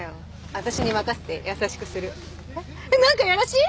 私に任して優しくするなんかやらしい？